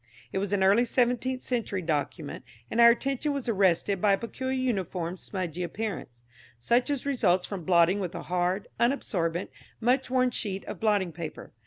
It was an early seventeenth century document, and our attention was arrested by a peculiar uniform smudgy appearance, such as results from blotting with a hard, unabsorbent, much worn sheet of blotting paper.